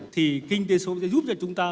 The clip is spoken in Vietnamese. thì kinh tế số sẽ giúp cho chúng ta